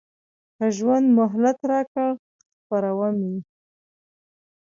که ژوند مهلت راکړ خپروم یې.